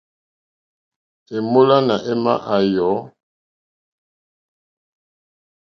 È mólánà émá à yɔ̌.